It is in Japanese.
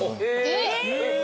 えっ！